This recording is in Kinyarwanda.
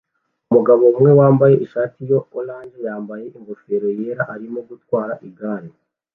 Umugabo umwe wambaye ishati ya orange yambaye ingofero yera arimo gutwara igare